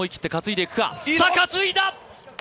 担いだ！